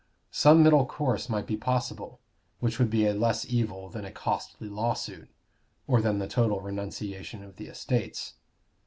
Some middle course might be possible, which would be a less evil than a costly lawsuit, or than the total renunciation of the estates.